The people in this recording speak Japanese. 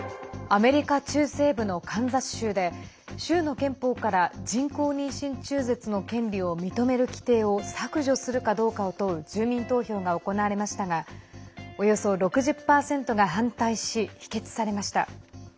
アメリカ中西部のカンザス州で州の憲法から人工妊娠中絶の権利を認める規定を削除するかどうかを問う住民投票が行われましたがおよそ６０％が反対し否決されました。